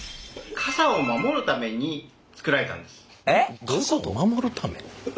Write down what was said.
傘を守るため？